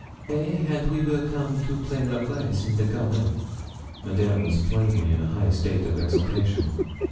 Eh? and we will come to play la grace in the garden.' Madame was plainly in a high state of exultation.